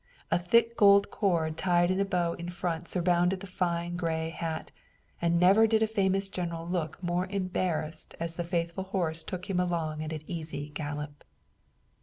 A thick gold cord tied in a bow in front surrounded the fine gray hat, and never did a famous general look more embarrassed as the faithful horse took him along at an easy gallop.